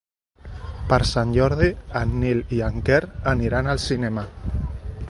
Per Sant Jordi en Nil i en Quer aniran al cinema.